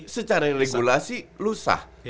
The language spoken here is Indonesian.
secara regulasi lu sah